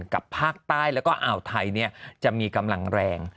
กับภาคใต้แล้วก็อ่าวไทยจะมีกำลังแรง